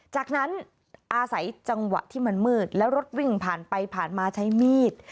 จากนั้นอาศัยจังหวะที่มันมืดแล้วรถวิ่งผ่านไปผ่านมาใช้มีด